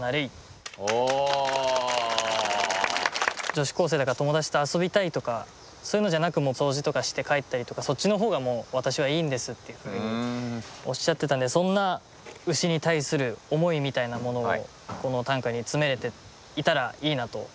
女子高生だから友達と遊びたいとかそういうのじゃなく掃除とかして帰ったりとかそっちの方が私はいいんですっていうふうにおっしゃってたんでそんな牛に対する思いみたいなものをこの短歌に詰めれていたらいいなと。